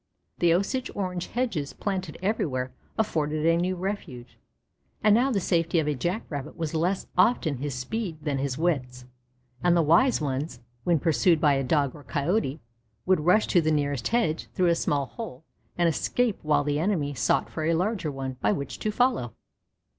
The Osage orange hedges planted everywhere afforded a new refuge, and now the safety of a Jack rabbit was less often his speed than his wits, and the wise ones, when pursued by a Dog or Coyote, would rush to the nearest hedge through a small hole and escape while the enemy sought for a larger one by which to follow.